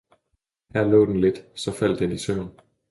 her lå den lidt, så faldt den i søvn.